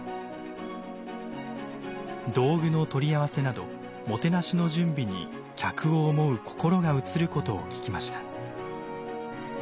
道具の取り合わせなどもてなしの準備に客を思う心が映ることを聞きました。